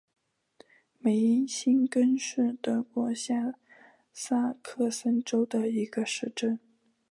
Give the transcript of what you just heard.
梅辛根是德国下萨克森州的一个市镇。